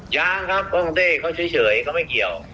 ยังครับกล้องเต้เขาเฉยเขาไม่เกี่ยว